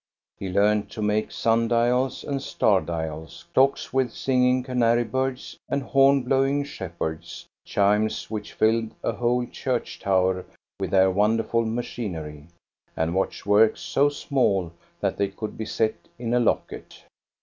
He learned to make sun dials and star dials, clocks with singing canary birds and horn blowing shepherds, chimes which filled a whole church tower with their wonderful machinery, and watch works so small that they could be set in a locket.